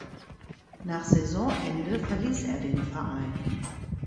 Nach Saisonende verließ er den Verein.